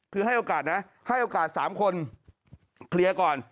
คือให้โอกาสนะให้โอกาส๓คนเคลียร์ก่อน